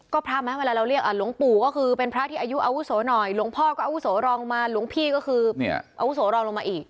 ก็พระไหมเวลาเราเรียกหลวงปู่ก็คือเป็นพระที่อายุอาวุโสหน่อยหลวงพ่อก็อาวุโสรองมาหลวงพี่ก็คืออาวุโสรองลงมาอีก